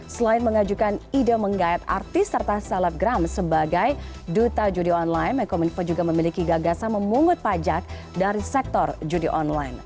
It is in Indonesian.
selain mengajukan ide menggayat artis serta selebgram sebagai duta judi online menkominfo juga memiliki gagasan memungut pajak dari sektor judi online